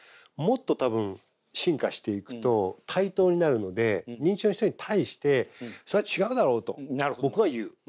もっと多分進化していくと対等になるので認知症の人に対して「それは違うだろう」と僕は言う。